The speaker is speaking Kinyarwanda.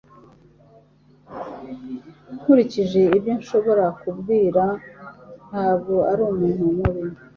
Nkurikije ibyo nshobora kubwira, ntabwo ari umuntu mubi.